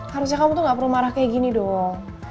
harusnya kamu tuh gak perlu marah kayak gini dong